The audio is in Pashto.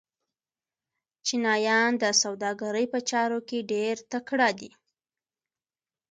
چینایان د سوداګرۍ په چارو کې ډېر تکړه دي.